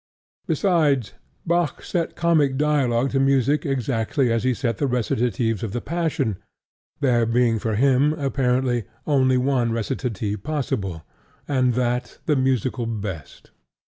Besides, Bach set comic dialogue to music exactly as he set the recitatives of the Passion, there being for him, apparently, only one recitative possible, and that the musically best.